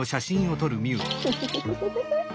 フフフフフフ。